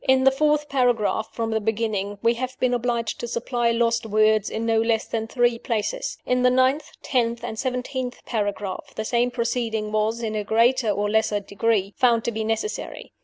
In the fourth paragraph from the beginning we have been obliged to supply lost words in no less than three places. In the ninth, tenth, and seventeenth paragraphs the same proceeding was, in a greater or less degree, found to be necessary.